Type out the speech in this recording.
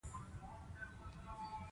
پاچا او اشراف له سیاسي واک څخه برخمن وي.